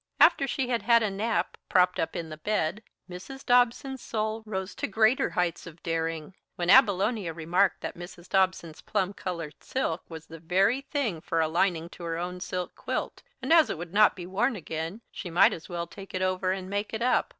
After she had had a nap, propped up in the bed, Mrs. Dobson's soul rose to greater heights of daring, when Abilonia remarked that Mrs. Dobson's plum colored silk was the very thing for a lining to her own silk quilt, and as it would not be worn again she might as well take it over and make it up.